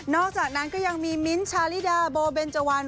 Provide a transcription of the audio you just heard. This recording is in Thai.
อกจากนั้นก็ยังมีมิ้นท์ชาลิดาโบเบนเจวัน